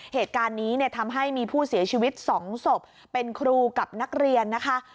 เหตุการณ์นี้เนี่ยทำให้มีผู้เสียชีวิต๒ศพเป็นครูกับนักเรียนนะคะ